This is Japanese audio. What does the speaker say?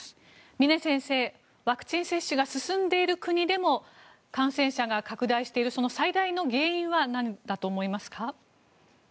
峰先生、ワクチン接種が進んでいる国でも感染者が拡大しているその最大の原因はなんだと思いますか？